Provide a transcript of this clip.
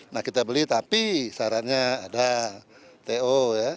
nah kita beli tapi syaratnya ada to